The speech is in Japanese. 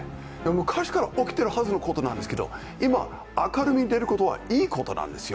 昔から起きているはずのことなんですけど今、明るみに出ることはいいことなんですよ。